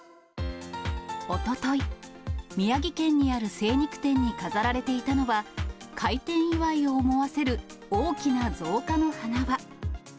おととい、宮城県にある精肉店に飾られていたのは、開店祝いを思わせる大きな造花の花輪。